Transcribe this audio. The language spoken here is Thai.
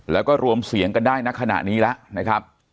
แล้วก็รวมเสียงกันได้ณขณะนี้แล้วนะครับ